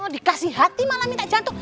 dikasih hati malah minta jantung